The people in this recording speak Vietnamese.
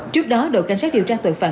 trước đó đội cảnh sát điều tra tội phạm